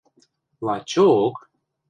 – Лачо-ок?